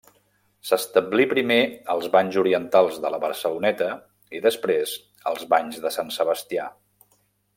S'establí primer als Banys Orientals de la Barceloneta i després als Banys de Sant Sebastià.